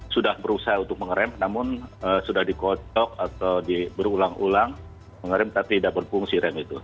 sudah berusaha untuk mengerem namun sudah dikocok atau berulang ulang pengerem tapi tidak berfungsi rem itu